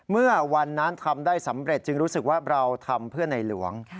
เมื่อวันนั้นทำได้สำเร็จจึงรู้สึกว่าเราทำเพื่อในหลวง